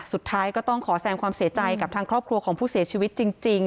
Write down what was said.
สุดท้ายก็ต้องขอแสงความเสียใจกับทางครอบครัวของผู้เสียชีวิตจริง